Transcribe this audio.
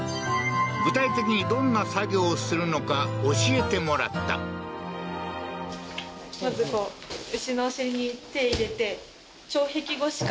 具体的にどんな作業をするのか教えてもらった手を突っ込む？